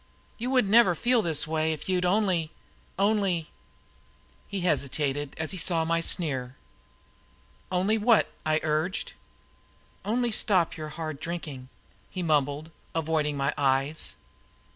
You wouldn't ever feel this way if you'd only only " he hesitated as he saw my sneer. "Only what?" I urged. "Only stop your hard drinking," he mumbled, avoiding my eyes.